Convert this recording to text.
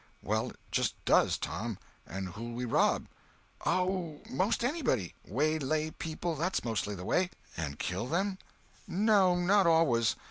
"Well, it just does, Tom. And who'll we rob?" "Oh, most anybody. Waylay people—that's mostly the way." "And kill them?" "No, not always.